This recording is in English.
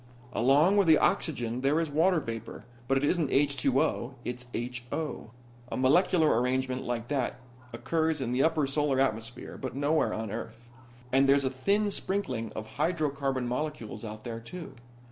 "Along with the oxygen there is water vapor, but it isn't H2O. It's HO. A molecular arrangement like that occurs in the upper Solar atmosphere, but nowhere on Earth. And there's a thin sprinkling of hydrocarbon molecules out there too.